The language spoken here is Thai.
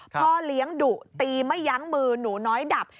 พ่อเลี้ยงดุตีไม่ยั้งมือหนูน้อยดับ